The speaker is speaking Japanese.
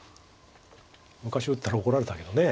昔打ったら怒られたけど何か。